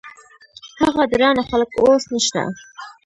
هغه درانه خلګ اوس نشته.